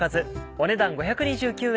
お値段５２９円。